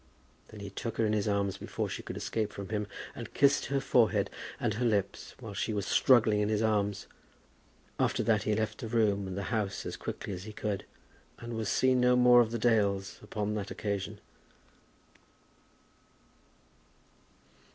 Then he took her in his arms before she could escape from him, and kissed her forehead and her lips, while she struggled in his arms. After that he left the room and the house as quickly as he could, and was seen no more of the Dales upon that occasion.